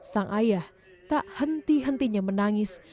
sang ayah tak henti hentinya menangis